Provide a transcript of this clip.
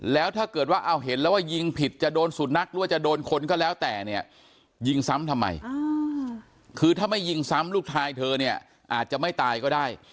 แล้วถ้าเกิดว่าเอาเห็นแล้วว่ายิงผิดจะโดนสุนัขหรือว่าจะโดนคนก็แล้วแต่เนี่ยยิงซ้ำทำไมคือถ้าไม่ยิงซ้ำลูกชายเธอเนี่ยอาจจะไม่ตายก็ได้